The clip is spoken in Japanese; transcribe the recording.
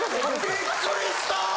びっくりした！